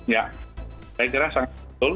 ya saya kira sangat betul